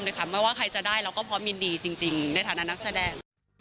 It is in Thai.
ไม่ว่าใครจะได้เราก็พร้อมยินดีจริงในฐานะนักแสดง